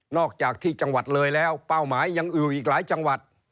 จากที่จังหวัดเลยแล้วเป้าหมายยังอืออีกหลายจังหวัด